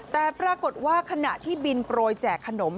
แต่ปรากฏว่าขณะที่บินโปรยแจกขนม